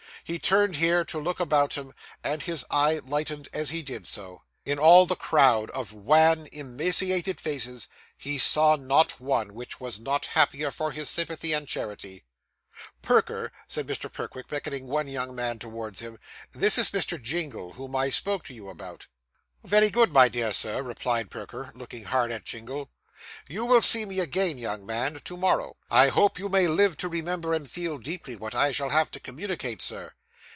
He turned here, to look about him, and his eye lightened as he did so. In all the crowd of wan, emaciated faces, he saw not one which was not happier for his sympathy and charity. 'Perker,' said Mr. Pickwick, beckoning one young man towards him, 'this is Mr. Jingle, whom I spoke to you about.' 'Very good, my dear Sir,' replied Perker, looking hard at Jingle. 'You will see me again, young man, to morrow. I hope you may live to remember and feel deeply, what I shall have to communicate, Sir.